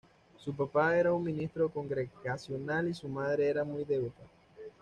Su papá era un ministro Congregacional y su madre era muy devota.